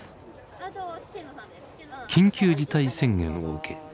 緊急事態宣言を受け